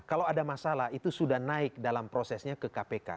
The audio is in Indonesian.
kalau ada masalah itu sudah naik dalam prosesnya ke kpk